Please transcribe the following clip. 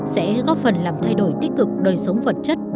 sẽ góp phần làm thay đổi tích cực đời sống vật chất